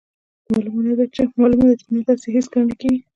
مالومه ده چې نه داسې هیڅکله نه کیږي.